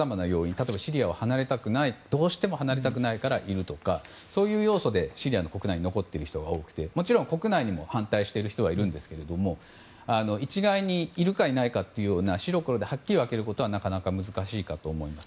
例えばシリアをどうしても離れたくないからいるとかそういう要素でシリア国内に残っている人が多くてもちろん国内にも反対している人はいるんですが一概にいるか、いないかという白黒ではっきり分けることはなかなか難しいと思います。